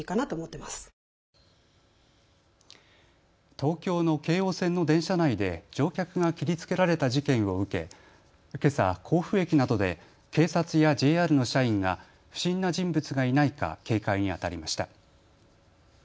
東京の京王線の電車内で乗客が切りつけられた事件を受け、けさ甲府駅などで警察やＪＲの社員が不審な人物がいないか警戒にあたりました。